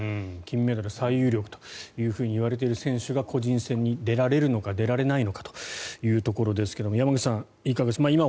金メダル最有力といわれている選手が個人戦に出られるのか出られないのかというところですが山口さん、いかがですか。